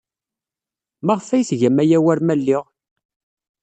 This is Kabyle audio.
Maɣef ay tgam aya war ma lliɣ?